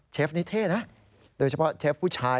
นี้เท่นะโดยเฉพาะเชฟผู้ชาย